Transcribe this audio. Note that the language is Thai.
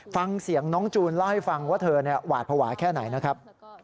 ฟังเสียงน้องจูนเล่าให้ฟังว่าเธอหวาดภาวะแค่ไหนนะครับ